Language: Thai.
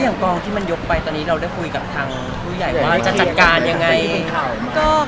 อย่างกองที่ยกไปตอนนี้เราได้คุยกับคนแห่งคุยใหญ่ว่าจะจัดการอย่างไร